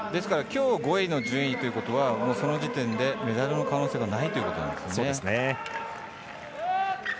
きょう５位の順位ということはその時点でメダルの可能性はないということです。